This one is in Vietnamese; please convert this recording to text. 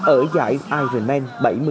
ở giải ironman bảy mươi ba